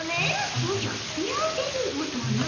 おじゃニュ電ボとな？